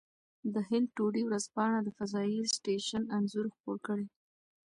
د هند ټوډې ورځپاڼه د فضايي سټېشن انځور خپور کړی.